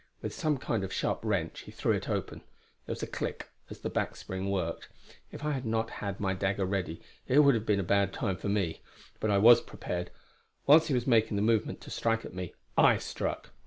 With some kind of sharp wrench he threw it open; there was a click as the back spring worked. If I had not had my dagger ready it would have been a bad time for me. But I was prepared; whilst he was making the movement to strike at me, I struck.